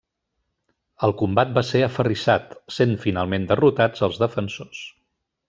El combat va ser aferrissat, sent finalment derrotats els defensors.